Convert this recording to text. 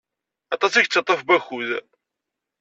Atas i yettaṭaf n wakud.